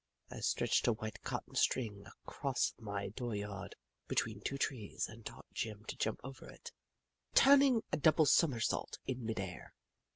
I stretched a white cotton string across my dooryard, between two trees, and taught Jim to jump over it, turning a double somersault in mid air.